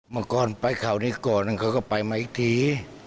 มากอดไปข้าวนี้ก่อนเขาก็ไปมาอีกที